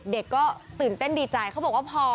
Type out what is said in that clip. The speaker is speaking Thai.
เด็กก็ตื่นเต้นดีใจเขาบอกว่าพอ